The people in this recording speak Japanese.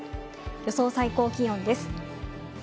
予想最高気温です。